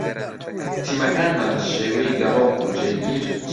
تیمەکانمان بە شێوەی گەڕۆک و جێگیر